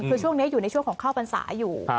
คือช่วงนี้อยู่ในช่วงของข้าวพรรษาอยู่